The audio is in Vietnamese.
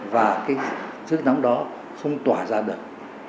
và cái sức nóng đó không tỏa ra được